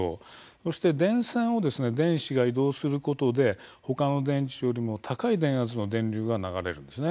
そして電線を電子が移動することで他の電池よりも高い電圧の電流が流れるんです。